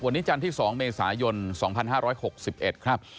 วันนี้จันทร์ที่๒เมษายน๒๕๖๑ครับ